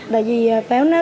tại vì pháo nó